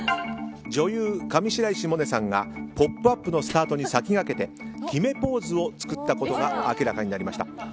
女優・上白石萌音さんが「ポップＵＰ！」のスタートに先駆けて決めポーズを作ったことが明らかになりました。